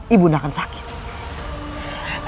ibu nda harus beristirahat